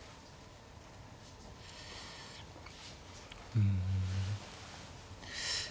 うん。